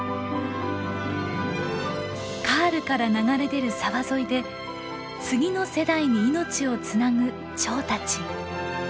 カールから流れ出る沢沿いで次の世代に命をつなぐチョウたち。